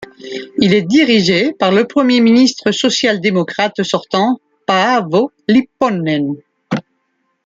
Il est dirigé par le Premier ministre social-démocrate sortant Paavo Lipponen.